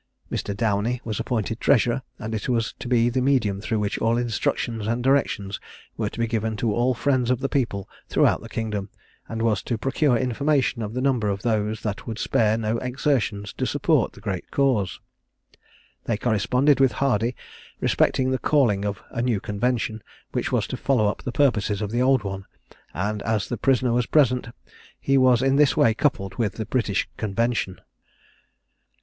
Mr. Downie was appointed treasurer, and it was to be the medium through which all instructions and directions were to be given to all friends of the people throughout the kingdom, and was to procure information of the number of those that would spare no exertions to support the great cause. They corresponded with Hardy respecting the calling of a new Convention, which was to follow up the purposes of the old one; and, as the prisoner was present, he was in this way coupled with the British Convention.